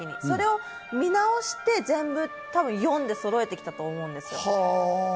それを見直して全部、読んでそろえてきたと思うんですよ。